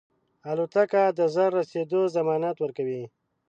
الوتکه د ژر رسېدو ضمانت ورکوي.